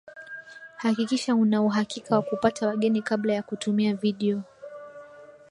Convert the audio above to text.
hakikisha una uhakika wa kupata wageni kabla ya kutumia video